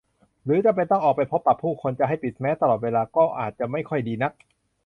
หรือจำเป็นต้องออกไปพบปะผู้คนจะให้ปิดแมสก์ตลอดเวลาก็อาจจะไม่ค่อยดีนัก